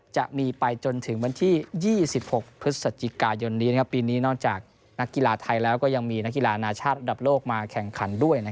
จะมีไปจนถึงวันที่๒๖พฤศจิกายนนี้ปีนี้นอกจากนักกีฬาไทยแล้วก็ยังมีนักกีฬานาชาติระดับโลกมาแข่งขันด้วย